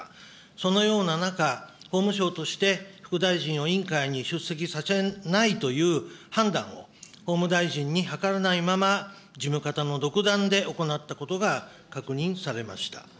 そのような中、法務省として副大臣を委員会に出席させないという判断を、法務大臣に諮らないまま、事務方の独断で行ったことが確認されました。